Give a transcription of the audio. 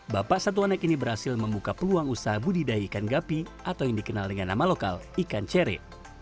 bapak satu anak ini berhasil membuka peluang usaha budidaya ikan gapi atau yang dikenal dengan nama lokal ikan cere